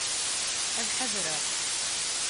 Ad ḥadreɣ.